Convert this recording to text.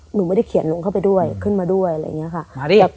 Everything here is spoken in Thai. หนูไม่ได้เขียนลงเข้าไปด้วยขึ้นมาด้วย